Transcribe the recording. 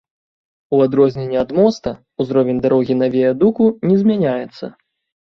У адрозненне ад моста, узровень дарогі на віядуку не змяняецца.